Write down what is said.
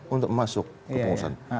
untuk masuk ke pengurusan